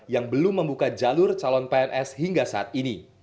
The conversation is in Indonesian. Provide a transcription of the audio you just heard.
yang belum membuka jalur calon pns hingga saat ini